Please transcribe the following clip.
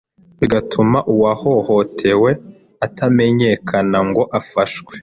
bigatuma uwahohotewe atamenyekana ngo afashwe.